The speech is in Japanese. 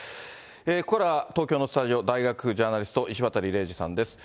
ここからは東京のスタジオ、大学ジャーナリスト、石渡れいじさんです。